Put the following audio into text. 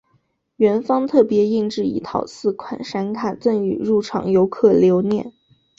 园方特别印制一套四款闪卡赠予入场游客留念。